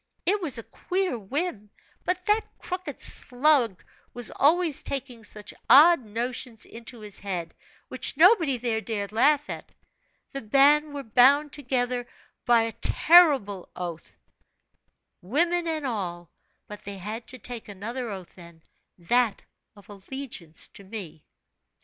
It was a queer whim; but that crooked slug was always taking such odd notions into his head, which nobody there dared laugh at. The band were bound together by a terrible oath, women and all; but they had to take another oath then, that of allegiance to me.